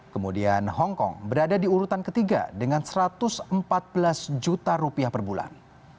kemudian hongkong berada di urutan ketiga dengan satu ratus empat belas juta rupiah per bulan